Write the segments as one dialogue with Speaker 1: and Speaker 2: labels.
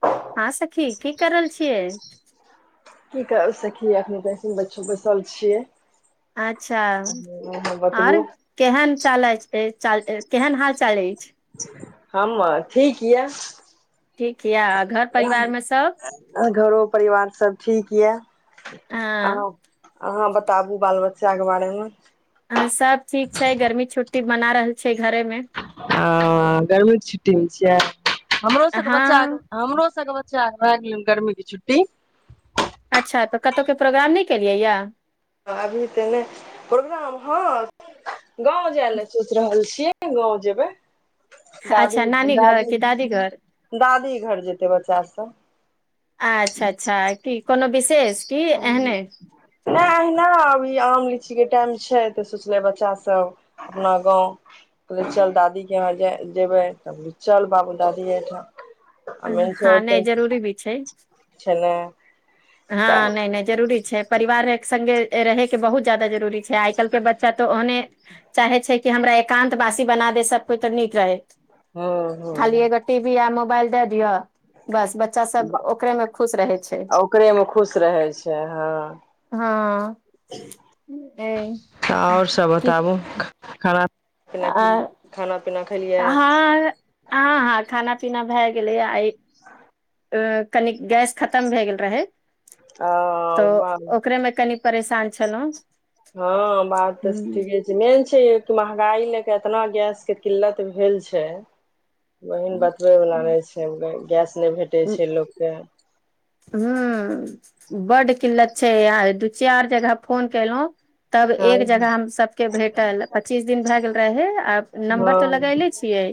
Speaker 1: ह
Speaker 2: हँ सखी की कर रहल छियै
Speaker 1: की कर सखियखन कहन बच्चो बैसल छियै
Speaker 2: अच्छा
Speaker 1: अहाँ बतबू
Speaker 2: आओर केहन चलै छै च केहन हाल चाल अछि अछि
Speaker 1: ह ठीक यिय
Speaker 2: ठीक य घर परिवारमे सब
Speaker 1: घरो परिवार सब ठीक यए
Speaker 2: हँ
Speaker 1: अह अहाँ बताबु बाल बच्चा बच्चाके बारेमे
Speaker 2: बना रहल छै घरे मे
Speaker 1: ह गरम के छुट्टीमे छियै हमरो सबके बच्चा
Speaker 2: हँ
Speaker 1: हमरो सबके बच्चा चार भ गेल गेल गर्मीे छु्टी
Speaker 2: अच्छा तऽ कतहुके प्रोग्राम नहि केलियै यए
Speaker 1: अभी तऽ नहि प्रोग्राम हँ गाँंव जाय ले सोच रहल छीियै गाँव जेबै दादी
Speaker 2: अच्छा नानी घर
Speaker 1: दादी
Speaker 2: कि घर
Speaker 1: दादी घर जेतै बच्चा सब
Speaker 2: अच्छा अच्छा क कोनो विशेष की एहने
Speaker 1: अ्षीक के टाइम छै तऽ सोचले बच्चा सब अपना गाँव कहल चल दादीे यहाँ जेबै त चल बाबू दादी एहिठाम आ मेन
Speaker 2: हँ नहि जरूरी भी छै
Speaker 1: खेला
Speaker 2: हँ नहि नहि जरूरी छै परिवार सङ्गे रहैके बहुत जादा जरूरी छै आइ काल्हि के बच्चा तऽ ओहने चाहे छै कि हमरा एकानं्त बासी बना दे सबकछ तऽ नीक रहै
Speaker 1: हूं हूं
Speaker 2: खाली एकग ी भी य मोबइल द दिअ बस बच्चा सब ओकरेमे खुश रहै छै
Speaker 1: ओकरे मे खुश रहै छै हँ
Speaker 2: हँ ए
Speaker 1: आओर सब
Speaker 2: कि
Speaker 1: बताबू पनााकि
Speaker 2: आ,
Speaker 1: खाना पीना खेलियै
Speaker 2: हँ ह ह खाना पीना भए गेल गेलै आइ
Speaker 1: ह
Speaker 2: अ कनी गैस खतम भए गेल रहै तऽ
Speaker 1: आ
Speaker 2: ओकरेमे कनि परेशान छलहुँ
Speaker 1: हँ बात तऽ ठीके छै मेन महंगाई ले के एतना गैस के किल्लत भेल छै बहिन बतबै बला नहि छै गैस नहि भेटै छै लोकके
Speaker 2: ह बड किल्लत छै आार दू चार जगह फोन कलहुँ तब
Speaker 1: हँ
Speaker 2: एक जगह हम सभके भेटल पच्चीस दिन भए गेल रहै आ नम्बर तऽ
Speaker 1: हँ
Speaker 2: लगैले छियै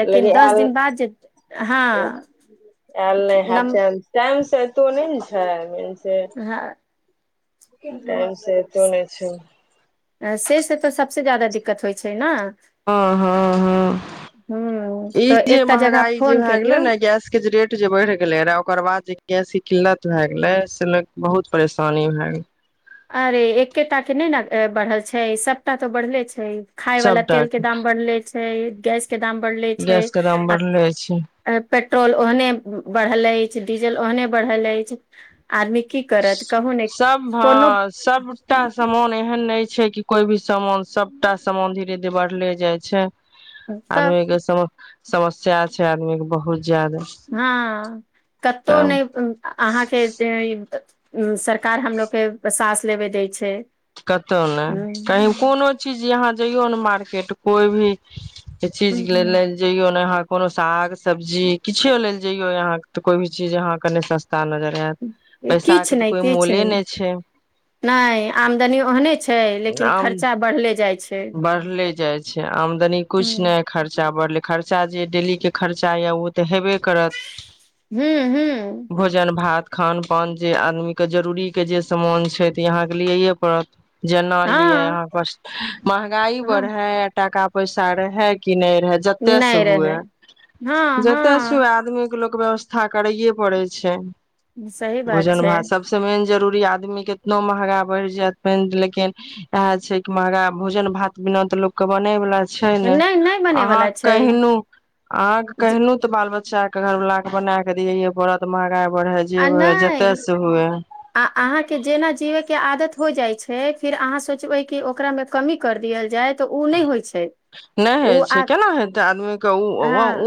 Speaker 2: लेकिन दस दिन बाद जे हँ नम
Speaker 1: तो नहि ने छै छै
Speaker 2: हँ
Speaker 1: टाइम से एतो नहि छै
Speaker 2: से से तऽ सबस जाददा दिक्कत दिक्कत होइ छै ने
Speaker 1: हँ हँ हँ
Speaker 2: हूँ
Speaker 1: ई
Speaker 2: तऽ
Speaker 1: जे
Speaker 2: एकटा जगह
Speaker 1: महगाई जे
Speaker 2: फोन
Speaker 1: भए गेले
Speaker 2: केलियौ
Speaker 1: ने गैस के जे रेट जे बढ़ि गेलै रह ओकर बाद जे गैसी किल्लत भए गेलै से लोक बहुत परेशानी भए गेलै
Speaker 2: अरे एकेटा के नहि ने बढ़ल छै सबटा तो बढ़ले छै खाय वाला तेल के दाम बढ़ले गेस्ट के दाम बढ़ले छै
Speaker 1: गैस के दाम
Speaker 2: आ
Speaker 1: बढ़ले छै
Speaker 2: पेट्रोल ओहने बढ़ले डीजल ओहने बढ़ल अछि आदमी की करत कहु ने कोनो
Speaker 1: ह सबटा सामान एहन नहि छै क कोई भी सामान सबटा सामान धीरे धीे बढ़ले जाइ छै
Speaker 2: तऽ
Speaker 1: आी सम समस्या छै आदमी के बहुत ज्यादा
Speaker 2: हँ कतहु
Speaker 1: तब
Speaker 2: नहि अहाँके उ सरकार हमलोग के सास लेबे दै छै
Speaker 1: कतहु नहि कहीँ कोनो चीज यहाँ जइयौ ने मार्केट क्रिकेट कोइ भी ई चीज के ल जइयो ने ह कोनो साग सब्जी किछो लेल जइयो यहाँ त कोई भी चीज अहाँं के नहि सस्ता नजर आयत पैसा के
Speaker 2: किछु
Speaker 1: तऽ
Speaker 2: नहि
Speaker 1: कोई
Speaker 2: किछु
Speaker 1: मोले
Speaker 2: नहि
Speaker 1: छै
Speaker 2: नहि आमदनी ओहने छै लेकिन
Speaker 1: आम
Speaker 2: खर्चा बढ़ले जाइ छै
Speaker 1: बढ़ले जाइ छै तनी कु ने
Speaker 2: हू
Speaker 1: खर्चा बढ़ल खर्चा जे डेली के खर्चा या उ तऽ हेबे करत
Speaker 2: हू
Speaker 1: भोजन भात खान पान जे आदमी के जरूरी के जे सामान छै त यहााँ के लिए ये पत जेना लिय
Speaker 2: हँ
Speaker 1: अहाँ पर महगाई
Speaker 2: हँ
Speaker 1: बढ़ै टाका पइ सा रह है कि नहि जते से
Speaker 2: नहि रहै
Speaker 1: हुए
Speaker 2: हँ
Speaker 1: जते से हए
Speaker 2: हँ
Speaker 1: आदमी लोक व्यवस्था करैए पड़ै छै
Speaker 2: सही बात
Speaker 1: भोजन
Speaker 2: छै
Speaker 1: भात सबस मेन जरूर आदमी केतनो महगा बढ़ि जायत लेकिन इएह छै कि महगा भोजन भात बिना त लोक के बनेवला छै नहि अहाँ कहनहु अहाँके
Speaker 2: जे-
Speaker 1: कहनहु तऽ बाल बच्चा बच्चा के घरवालला के बना के दिय हे बड़द महगाई
Speaker 2: आ नहि आ अहाँके जेना जीवै के आदत हो जाइ छै फिर अहाँ सोचबै कि ओकरामे कमी कर देल जाइत
Speaker 1: नहि होइ छै
Speaker 2: आ
Speaker 1: केना हेतै आदमीके ओ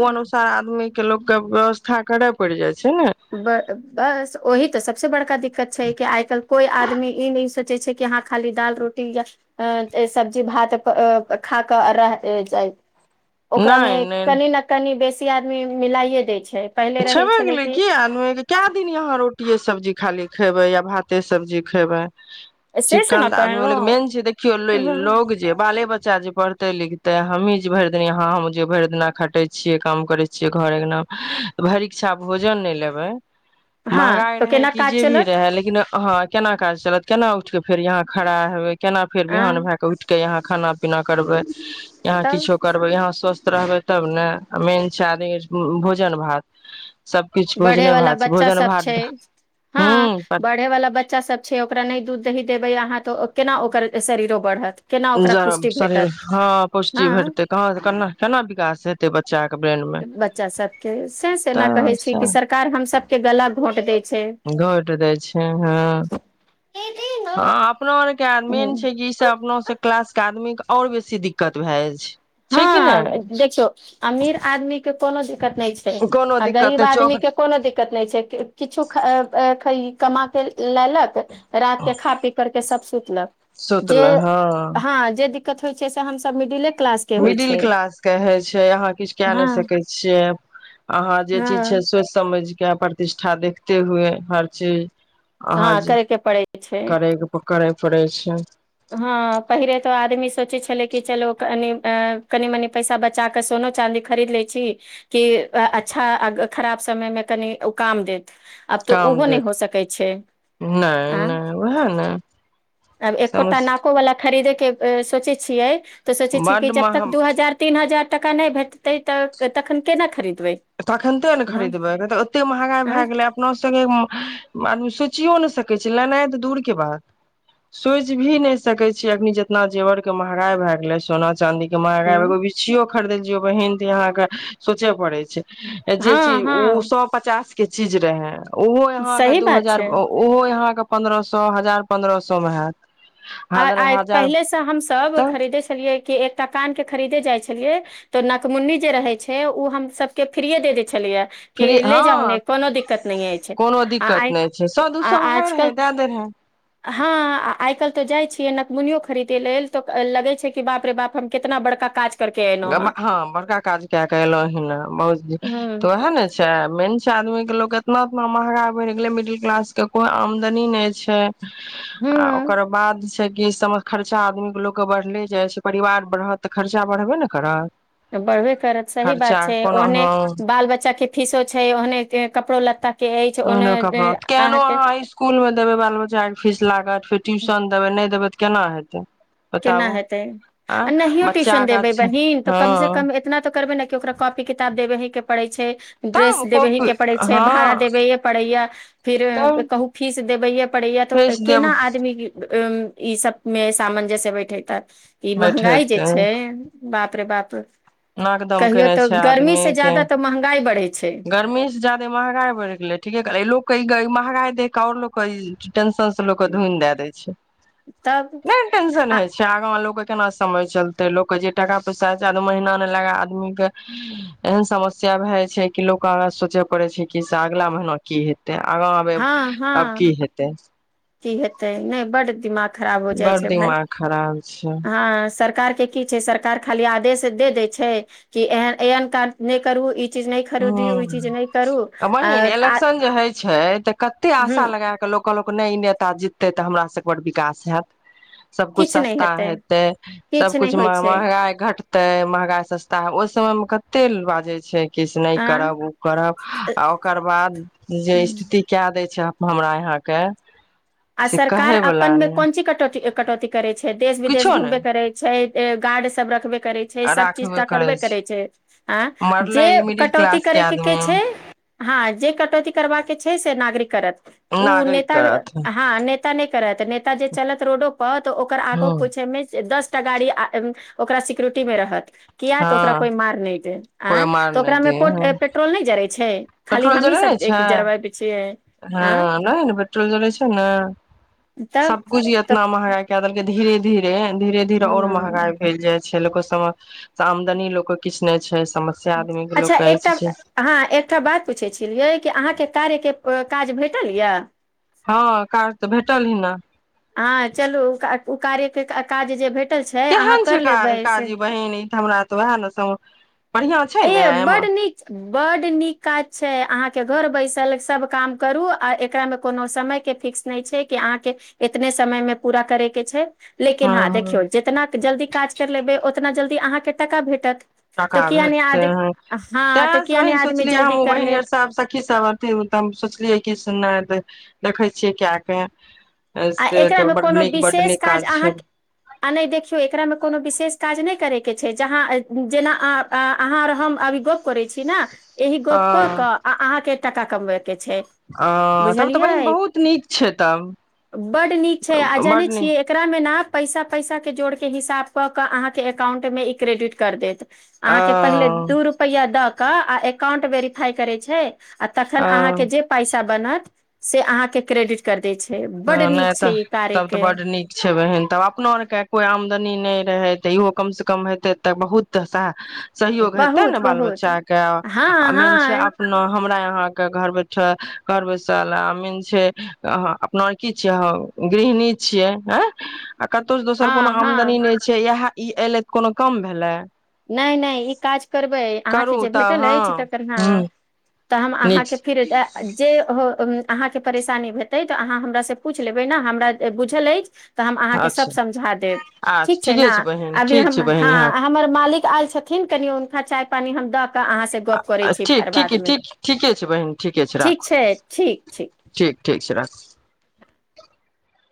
Speaker 1: ओ अनुसार आदमी के लोको के व्यवस्था करे पड़ जाय छै ने
Speaker 2: ब बस ओहि तऽ से बड़का द दिक्कत छै आइ कल कोइ आदमी ई नहि स ज छै कि अहाँ खाली दाल रोटी या अ सब्जी भात खा कऽ रह जाइ ओकरामे
Speaker 1: नहि नहि
Speaker 2: कनि न कनि बेसी आदमी मिलाइे दै छै पहिले रहै
Speaker 1: छेबे
Speaker 2: छलै
Speaker 1: गेलै
Speaker 2: किी
Speaker 1: की दिन यहा रोट सब् खाली खयबै या भाते सब्जी खयबै
Speaker 2: से से
Speaker 1: चिक्कन
Speaker 2: ने
Speaker 1: तऽ आदमी
Speaker 2: कहलहुँ
Speaker 1: मेन छै देखियौ
Speaker 2: हँ
Speaker 1: लोग जे बाले बच्चा बच्चा जे पढ़तै लिखते हमहीँ जे भरि दििन यहाँ हम जे भरि दिना खटै छियै काम करै छियै घर अङ्गना भरि इच्छा भोजन नहि लेबै
Speaker 2: हँ,
Speaker 1: महगाई
Speaker 2: तऽ
Speaker 1: रहै
Speaker 2: केना
Speaker 1: कि
Speaker 2: काज
Speaker 1: जे भी
Speaker 2: चलत
Speaker 1: रहै लेकिन हह केना काज चलत केना उठ के फेर यहाँ खड़ा हेवे केना फेर
Speaker 2: आ
Speaker 1: बिहान भए क उठ केे यहा खाना पीना करबै यहाँ
Speaker 2: तब
Speaker 1: किछो करबै यहाँ स्वस्थ रहबै तब ने मेन छै आदमी भोजन भात सबकिछु
Speaker 2: बढ़े
Speaker 1: भोजने
Speaker 2: वाला
Speaker 1: भात छै
Speaker 2: बच्चा
Speaker 1: भोजन
Speaker 2: सब छै
Speaker 1: भात
Speaker 2: हँ
Speaker 1: ह
Speaker 2: बढ़े वाला बच्चा सब छै ओकरा नहि दूध दही देबै अहाँ तऽ केना ओकर शरीरो बढ़त केना ओकरा
Speaker 1: ज
Speaker 2: पुष्टि
Speaker 1: शरीर
Speaker 2: भेटत
Speaker 1: हँ पुष्टि
Speaker 2: हँ
Speaker 1: भेटतै कहाँ केना केना विकास हेतै बच्चाे
Speaker 2: बच्चा सभके से सेना कहै
Speaker 1: तऽ
Speaker 2: छै कि सरकार हमसभ के गला घोट दै छै
Speaker 1: घोटि दै छै हँ हँ अपना आरके मेन छै कि इ से अपनासँ क्लास के आदमी के और बेसी दिक्कत भए जाय छै छै कि
Speaker 2: हँ
Speaker 1: नहि
Speaker 2: देखियौ अमीर आदमी कलज दिक्कत नहि छै
Speaker 1: कोनो
Speaker 2: आ
Speaker 1: दिक्कत
Speaker 2: गरीब
Speaker 1: नहि
Speaker 2: आदमी
Speaker 1: चौक
Speaker 2: के कोनो दिक्कत नहि छै किछु कमा के लेलक रात के खा पी करके सब सुतलक जे
Speaker 1: सुतले हँ
Speaker 2: हँ जे हो छै से हम मिडिले क्
Speaker 1: मिडिल क्लासके होइ छै अहाँ किछु कए नहि
Speaker 2: हँ
Speaker 1: सकै छियै अहाँ जे चीज छै
Speaker 2: हँ
Speaker 1: सोचि समझ क प्रतिष्ठा देखते हुए हर चीज अहाँ
Speaker 2: हँ करैके पड़े छै
Speaker 1: पै छै
Speaker 2: हँ पहिले तऽ आदमी सोचैत छलै कि चलो कनि कनि मनी पैसा बचा कऽ सोनो चाँदी खरीद लैत छी कि अच्छा खराब समयमे कनि ओ काम देत आब तऽ
Speaker 1: काम
Speaker 2: ओहो नहि
Speaker 1: देैत
Speaker 2: हो सकै छै
Speaker 1: नहि
Speaker 2: आ
Speaker 1: नहि ओ है ने
Speaker 2: कोटा
Speaker 1: समस
Speaker 2: नाको वला खरीदे के सोचै छियै तऽ सोचै छै कि
Speaker 1: बड्ड
Speaker 2: जब तक
Speaker 1: महग
Speaker 2: दू हजार तीन हजार टा भेटतै त तख केना खरी
Speaker 1: तखनिते ने खरीदबै तऽ ओते महँगाई भए
Speaker 2: हँ
Speaker 1: गेलै अपनो सभके आदमी सोचियो नहि सकै छै लेनाइ तऽ दूर के बात सोच भी नहि सकै छी अख जेितना जेवर के महगाई भए गेलै सोना चाँदी के माय ग एग बिीछिऔ खरीदेल जौ बहिन त यहाँ के सोचे पड़े छै जे चीज
Speaker 2: हँ
Speaker 1: ओ
Speaker 2: हँ
Speaker 1: सए पचास के चीज रहैं ओहो यहाँके
Speaker 2: सही
Speaker 1: दू
Speaker 2: बात
Speaker 1: हजार
Speaker 2: छै
Speaker 1: ओहो यहाँके पन्द्रह सए हजार पन्द्रह सए मे हयैत
Speaker 2: आ आ पहिले से हम सभ
Speaker 1: तऽ
Speaker 2: खरीदे छलियै कि एक त कान के खरीदे जाइ छल ियै तऽ नकमुन्नी जे रहे छै ओ हम सबके फ्रए दे दे छल
Speaker 1: फ्री
Speaker 2: ले
Speaker 1: हँ
Speaker 2: जा कोनो दिक्कत नहि
Speaker 1: कोनो दिक्कत नहि छै सए दू सए
Speaker 2: आ
Speaker 1: भए रहे दए दे रहे
Speaker 2: त जाय छियै नकमुनियो खरीदे लेल तऽ लगे छै कि बाप रे बाप हम केितना बड़का काज करके एलहुँ
Speaker 1: हँ बड़का काज क कऽ एलहु ह बहुत तऽ
Speaker 2: हूँ
Speaker 1: ओएह ने छै मेन छै आदमी के लोक तना उतना महंगा बनि गेले मिडिल क्लास के कोई आमदनी नहि छै आ
Speaker 2: हूँ
Speaker 1: ओकर बाद छै गस सब खर्चा आदमी के लो के बढ़ले जा परिवार बढ़त त खर्चा बढ़बे ने कर
Speaker 2: बढ़बे करत सही बात छै ओहने
Speaker 1: हँ
Speaker 2: बाल बच्चा के फीसो छै ओहने कपड़ो लत्ता के अछि ओने
Speaker 1: ओहनो कड़ केहनो
Speaker 2: अहाँके
Speaker 1: अहाँ इसकुल मे देबै बाल बच्चाके फीस लागत फेर ट्यूशन देबै नहि देबै त केना हेतै
Speaker 2: केना
Speaker 1: बताबू
Speaker 2: हेतै
Speaker 1: आँ
Speaker 2: आ नहियो
Speaker 1: बच्चा
Speaker 2: ट्यूशन देबै
Speaker 1: के
Speaker 2: बहिीन तऽ कम से
Speaker 1: हँ
Speaker 2: कम इतना तऽ करबै ने के ओकरा कॉपी किताब देबे हे के पड़े छै ड्रेस
Speaker 1: तब
Speaker 2: देबेहे
Speaker 1: कॉपी
Speaker 2: के पड़े छै भाड़ा
Speaker 1: हँ
Speaker 2: देबेे पड़े या फिर
Speaker 1: तब
Speaker 2: कहू फीस देबेये पड़े या तऽ
Speaker 1: फीस देब
Speaker 2: केना आदमी उ ई सब मे सामान जसे बैठेत ई महगाई जे
Speaker 1: बैठेते
Speaker 2: छै बाप रे बाप
Speaker 1: नाकदम
Speaker 2: कहियो
Speaker 1: केने छै
Speaker 2: तऽ गर्मी
Speaker 1: आदमी
Speaker 2: से
Speaker 1: के
Speaker 2: ज्यादा तऽ महंगाई बढ़ै छै
Speaker 1: गर्मी से जादे महगाई बढ़ि गेलै ठीके कह भहगााय देख कओर लोको टेंन से लोक धुनि द दे छै
Speaker 2: तब
Speaker 1: टेंशन
Speaker 2: आ
Speaker 1: होय छै आग केना समय चलते लोक के जे टाका पैसाद महीना ला आदमी के एहन समस्या भए जा छै कि लोग आग सोचे पड़े छै कि से अगला महीना की हेत आगाँ अबै
Speaker 2: हँ हँ
Speaker 1: तब की हेतै
Speaker 2: की हेतै नहि बड दिमाग खराब हो जाइ
Speaker 1: बड़
Speaker 2: छै भ
Speaker 1: दिमाग खराब छै
Speaker 2: ह सर के की छै सरकार खाली आदेश दे दै छै कि ए एहन काज करू चीज नहि खरीदी ओ
Speaker 1: हूँ
Speaker 2: चीज नहि करू
Speaker 1: बहिन
Speaker 2: आ
Speaker 1: इलेक्शन जे होइ छै तऽ कते
Speaker 2: हूँ
Speaker 1: आशा लगा क लोक कहलक नहि ई नेता जीतै तऽ हमरा सभके बड़ विकास हैत सबकुछु
Speaker 2: किछु नहि
Speaker 1: सस्ता हेतै
Speaker 2: किछु नहि
Speaker 1: सबकछ
Speaker 2: होइ छै
Speaker 1: महगाइ घटतै महगाइ सस्ता ओहि समयमे क तेल बाजै छै किछु नहि
Speaker 2: आँ
Speaker 1: करब ओ करब आ ओकर बाद जे स्थिति कए दै छै हमरा यहाँके
Speaker 2: आ
Speaker 1: से
Speaker 2: सरकार
Speaker 1: कहैवला
Speaker 2: अपनन मे
Speaker 1: नहि
Speaker 2: कोन ची कटौती कटौती करै छै देश विदेश
Speaker 1: किछो नहि
Speaker 2: घुमबे करै छै गार्ड सब रखबे करै छै सब चीज त करबे करै छै आ जे
Speaker 1: मरलै ई मिडिल
Speaker 2: कटौती
Speaker 1: क्लास
Speaker 2: करैके के
Speaker 1: आदमी
Speaker 2: छै हँ जे कटौती करबाका के छै से नागरिक करत ओ
Speaker 1: नागरिक
Speaker 2: नेता
Speaker 1: कात
Speaker 2: हँ नेता ने करत नेता जे चलत रोडो तऽ ओकर आग पूछे मे दस टा गाड़ी ओकरा सिक्योरिटी में रहत किया तऽ ओकरा
Speaker 1: हँ
Speaker 2: कोई मार नहि दे
Speaker 1: कोइ
Speaker 2: आँ
Speaker 1: मार
Speaker 2: तो
Speaker 1: नहि
Speaker 2: ओकरा मे
Speaker 1: दिय
Speaker 2: पेट्रोल न जात
Speaker 1: पेट्रोल जरे नहि छै
Speaker 2: छियै आँ
Speaker 1: हँ नहि ने पेट्रोल जरे छै ने
Speaker 2: तब
Speaker 1: सबब कुछ
Speaker 2: तब
Speaker 1: इतना महगा केए देलकें धीरे धीरे धीरे धीरे और
Speaker 2: हूँ
Speaker 1: महंगाइ भेल जाय छेलय आमदनी लोक किछु नहि छै समस्या आदमी के लोक
Speaker 2: अच्छा
Speaker 1: कहै
Speaker 2: एकटा
Speaker 1: छै
Speaker 2: हँ एकटा बात पूछै छलियै कि अहाँके कार्यके काज भेटल यऽ
Speaker 1: हँ काज तऽ भेटल ही ने
Speaker 2: हँ चलू ओ कार्यके काज जे भेट
Speaker 1: केहन छै काजी बहिन ई तऽ हमरा तऽ ओएह ने सम बढ़िया
Speaker 2: ए बड नीक बड नीक काज छै अहाँके घर बैसल सभ काम करू आ एकरामे कोनो समयके फिक्स नहि छै कि अहाँके एतने समयमे पूरा करयके छै लेकिन हँं
Speaker 1: हँ
Speaker 2: देखियौ जितना जल्दी काज कर लेबै ओतना जल्दी अहाँके टाका भेटत तऽ किया नहि
Speaker 1: भेटते
Speaker 2: आदमी
Speaker 1: हैं
Speaker 2: हँ तऽ
Speaker 1: तेंस
Speaker 2: किया नहि
Speaker 1: बहिन
Speaker 2: आदमी
Speaker 1: सोचलियै
Speaker 2: जल्दी
Speaker 1: हम
Speaker 2: कर
Speaker 1: बहिन आर
Speaker 2: लेत
Speaker 1: सब सखी सब अथ त हम सोचलियै कि नहि त देखै छियै कए कऽ
Speaker 2: आ एकरामे कोनो विशेष काज
Speaker 1: छै
Speaker 2: अहाँ आ नहि देखियौ एकरामे कोनो विशेष काज नहि करयके छै जहाँ जेना अ अहाँ हम अभी गप करै छी ने एहि गपको क आ अहाँ के टका कमबय
Speaker 1: हँ तब तऽ बहिन बहुत नीक छै तब
Speaker 2: बड नीक छै आ जानै
Speaker 1: बड नीक
Speaker 2: छियै एकरामे नाप पैसा पैसा के जोड़ के हिसाब क के अहाँके एककाउंट में ई क्रेडिट कर देत
Speaker 1: अ
Speaker 2: अहाँ कें पहिले दु रुपया द के आ एकाउंट वेरीफाई करै छै आ तखन अहाँके
Speaker 1: अ
Speaker 2: जे पैसा बनत से अहाँके क्रेडिट कर दै छै
Speaker 1: ह
Speaker 2: बड्ड
Speaker 1: नहि
Speaker 2: नीक छै
Speaker 1: तऽ
Speaker 2: ई
Speaker 1: तब तऽ
Speaker 2: कार्यके
Speaker 1: बड नीक छै बहीन तब अपो आरके कोइ आम आमदनी नहि रहै तऽ इहो कम से कम हेतै तऽ बहुत साथ सहयोग हेते
Speaker 2: बहुत
Speaker 1: ने बाल
Speaker 2: बहुत
Speaker 1: बच्चा के आ
Speaker 2: हँ
Speaker 1: मेन छै
Speaker 2: हँ
Speaker 1: अपना हमरा यहााँ के घर करबै बैसल अमीन छै हँ - नरकी छियै ह गृहिणी छियै हँ आ कतहु जे दोसर
Speaker 2: हँ
Speaker 1: कोनो आमदनी
Speaker 2: हँ
Speaker 1: नहि छै इएह ई एले तऽ कोनो कम भेले
Speaker 2: नहि नहि ई काज करबै
Speaker 1: करू
Speaker 2: अहाँके जे
Speaker 1: तऽ
Speaker 2: भेटल
Speaker 1: हँ
Speaker 2: अछि तकर हँ
Speaker 1: ह
Speaker 2: तऽ हम
Speaker 1: नीक
Speaker 2: अहाँके फिर जे हो अहाँके परेशानी हेतै तऽ अहाँ हमरास से पूछि लेबै ने हमरा बुझल अछि तऽ हम अहाँके सब
Speaker 1: अच्छा
Speaker 2: समझा देब
Speaker 1: अच्छा
Speaker 2: ठीक छै
Speaker 1: ठीके
Speaker 2: ने
Speaker 1: बहिन
Speaker 2: अभी
Speaker 1: ठीक छै बहिन
Speaker 2: हमर आल छथिन कनि हुनका चाय पानी हम दऽ कऽ अहाँसँ गप्प करै छी
Speaker 1: ठीक
Speaker 2: फेर
Speaker 1: ठीक
Speaker 2: बादमे
Speaker 1: ठ ठीके छै बहिन ठीके छै राखू ठीक ठीक छै राखु